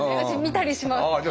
私見たりします。